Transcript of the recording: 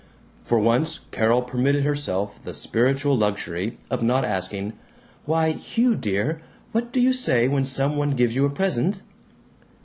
For once Carol permitted herself the spiritual luxury of not asking "Why, Hugh dear, what do you say when some one gives you a present?"